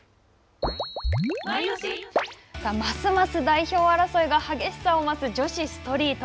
ますます代表争いが激しさを増す女子ストリート。